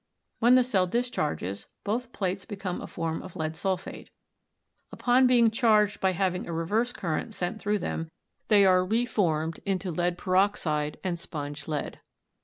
When the cell discharges, both plates become a form of lead sulphate. Upon being charged by having a reverse current sent through them, they are reformed into lead peroxide and sponge lead.